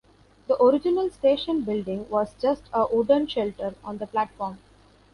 The original station building was just a wooden shelter on the platform.